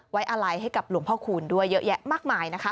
ไว้อะไรให้กับหลวงพ่อคูณด้วยเยอะแยะมากมายนะคะ